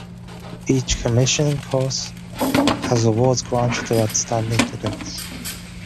Each Commissioning Course has awards granted to outstanding cadets.